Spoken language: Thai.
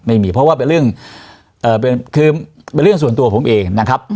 ไม่มีเพราะว่าเป็นเรื่องคือเป็นเรื่องส่วนตัวผมเองนะครับ